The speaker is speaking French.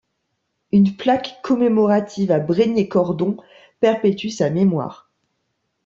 Une plaque commémorative à Brégnier-Cordon perpétue sa mémoire.